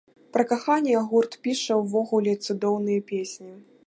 Пра каханне гурт піша ўвогуле цудоўныя песні.